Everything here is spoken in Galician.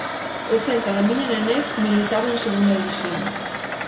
O Celta da miña nenez militaba en segunda división.